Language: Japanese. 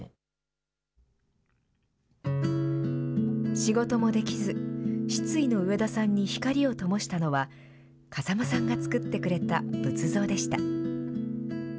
仕事もできず、失意の植田さんに光をともしたのは、風間さんがつくってくれた仏像でした。